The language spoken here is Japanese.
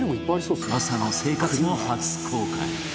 朝の生活も初公開。